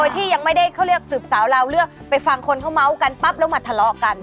ที่ยังไม่ได้เขาเรียกสืบสาวราวเรื่องไปฟังคนเขาเมาส์กันปั๊บแล้วมาทะเลาะกัน